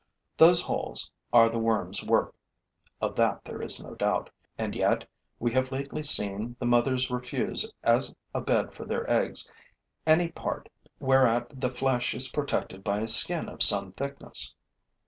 Those holes are the worms' work: of that there is no doubt; and yet we have lately seen the mothers refuse as a bed for their eggs any part whereat the flesh is protected by a skin of some thickness.